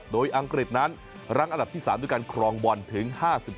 โดยอังกฤษนั้นรั้งอันดับที่๓ด้วยการครองบอลถึง๕๗